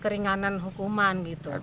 keringanan hukuman gitu